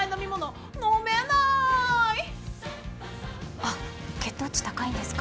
あっ血糖値高いんですか？